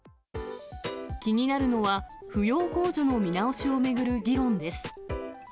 気になるのは、扶養控除の見直しを巡る議論です。